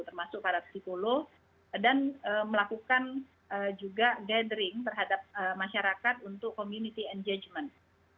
termasuk para psikolog dan melakukan juga gathering terhadap masyarakat untuk community engagement